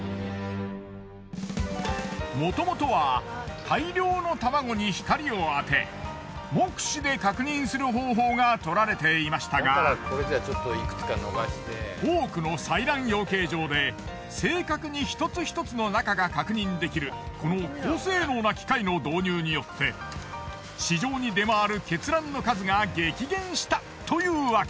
もともとは大量の卵に光を当て目視で確認する方法がとられていましたが多くの採卵養鶏場で正確に一つひとつの中が確認できるこの高性能な機械の導入によって市場に出回る血卵の数が激減したというわけ。